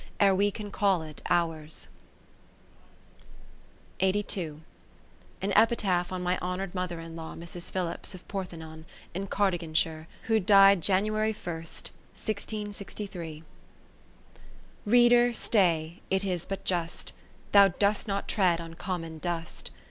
Ere we can call it ours. An Epitaph on my honoured Mother in Law, Mrs. Phil[l]ips of Portheynon in Cardiganshire, who died Jan. I, anno i66| . Reader, stay, it is but just ; Thou dost not tread on common dust.